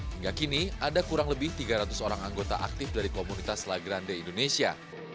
hingga kini ada kurang lebih tiga ratus orang anggota aktif dari komunitas lagrande indonesia